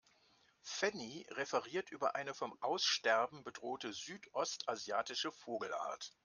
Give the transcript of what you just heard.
Fanny referiert über eine vom Aussterben bedrohte südostasiatische Vogelart.